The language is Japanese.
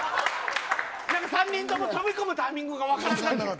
３人とも飛び込むタイミングが分からなくなってる。